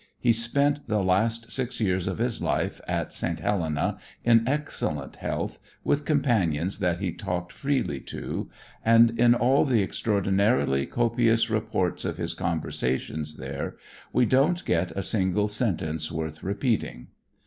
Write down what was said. He spent the last six years of his life at St. Helena in excellent health, with companions that he talked freely to, and in all the extraordinarily copious reports of his conversations there, we don't get a single sentence worth repeating.